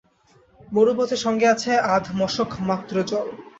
মরুপথে সঙ্গে আছে আধ-মশক মাত্র জল।